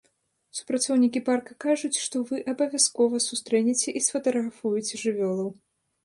Супрацоўнікі парка кажуць, што вы абавязкова сустрэнеце і сфатаграфуеце жывёлаў.